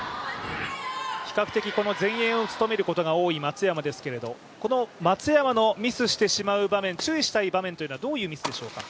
比較的前衛を務めることが多い松山ですけれども、この松山のミスしてしまう場面、注意したい場面はどういうところでしょうか？